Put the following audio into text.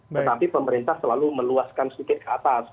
tetapi pemerintah selalu meluaskan sedikit ke atas